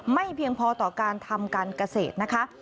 เพียงพอต่อการทำการเกษตรนะคะ